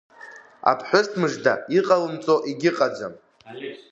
Аԥҳәыс мыжда иҟалымҵо егьыҟаӡам.